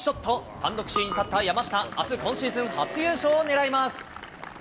単独首位に立った山下、あす、今シーズン初優勝を狙います。